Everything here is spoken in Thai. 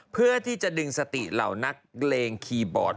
เพื่อที่จะดึงสติเหล่านักเลงคีย์บอร์ด